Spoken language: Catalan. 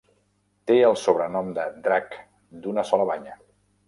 Té el sobrenom de "drac d'una sola banya".